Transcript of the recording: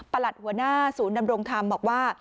ประหลัดหัวหน้าศูนย์นำโรงธรรมบอกว่า